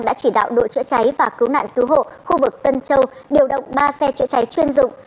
đã chỉ đạo đội chữa cháy và cứu nạn cứu hộ khu vực tân châu điều động ba xe chữa cháy chuyên dụng